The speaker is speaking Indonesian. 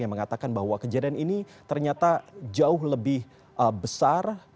yang mengatakan bahwa kejadian ini ternyata jauh lebih besar